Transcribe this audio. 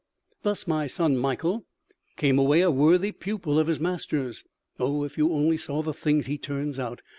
Thus my son Mikael came away a worthy pupil of his masters. Oh, if you only saw the things he turns out!